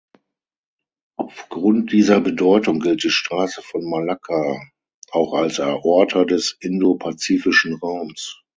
Aufgrund dieser Bedeutung gilt die Straße von Malakka auch als „Aorta des Indo-Pazifischen Raums“.